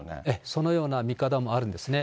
そのような見方もあるんですね。